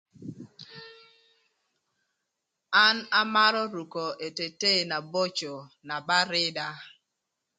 An amarö ruko etetei na boco na rïda.